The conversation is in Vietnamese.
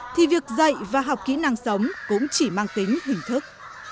thì việc dạy và học kỹ năng sống cũng chỉ mang tính hình thức